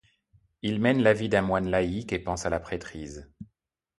Il mène la vie d’un moine laïc et pense à la prêtrise.